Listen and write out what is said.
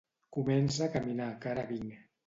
Comença a caminar que ara vinc.